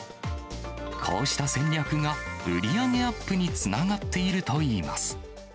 こうした戦略が売り上げアップにつながっているといいます。